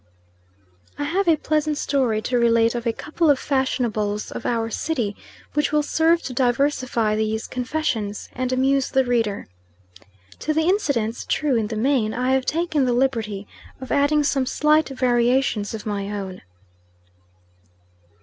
I HAVE a pleasant story to relate of a couple of fashionables of our city, which will serve to diversify these "Confessions," and amuse the reader. To the incidents, true in the main, I have taken the liberty of adding some slight variations of my own.